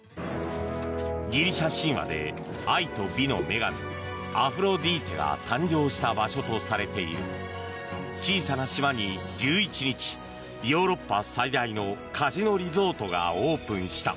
ギリシャ神話で愛と美の女神アフロディーテが誕生した場所とされている小さな島に、１１日ヨーロッパ最大のカジノリゾートがオープンした。